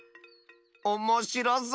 おもしろそう！